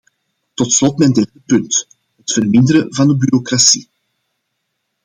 Tot slot mijn derde punt: het verminderen van de bureaucratie.